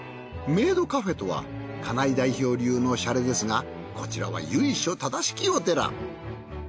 メイドカフェとは金井代表流のシャレですがこちらは由緒正しきお寺。